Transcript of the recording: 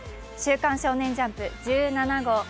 「週刊少年ジャンプ１７号」